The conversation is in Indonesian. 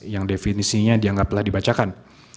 yang definisinya dianggap telah dibacakan